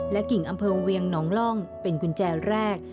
กิ่งอำเภอเวียงหนองล่องเป็นกุญแจแรก